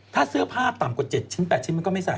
ถ้าเสื้อผ้าต่ำกว่า๗ชิ้น๘ชิ้นมันก็ไม่ใส่